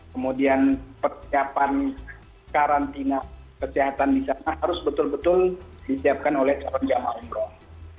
kemudian persiapan karantina kesehatan di sana harus betul betul disiapkan oleh calon jamaah umroh